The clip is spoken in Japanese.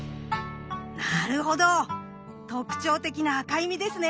なるほど特徴的な赤い実ですね。